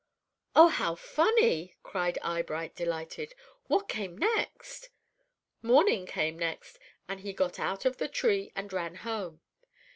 "Oh, how funny!" cried Eyebright, delighted. "What came next?" "Morning came next, and he got out of the tree and ran home.